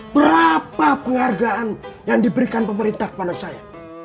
berapa penghargaan yang diberikan pemerintah kepada saya